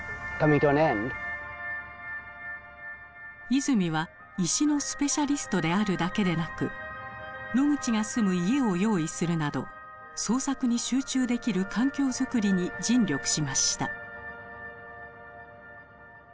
和泉は石のスペシャリストであるだけでなくノグチが住む家を用意するなど創作に集中できる環境作りに尽力しました。